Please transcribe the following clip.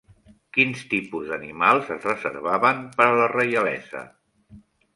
Quins tipus d'animals es reservaven per a la reialesa?